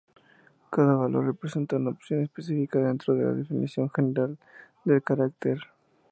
Cada valor representa una opción específica dentro de la definición general del carácter.